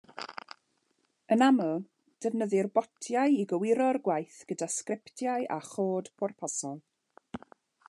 Yn aml, defnyddir botiau i gywiro'r gwaith gyda sgriptiau a chod pwrpasol.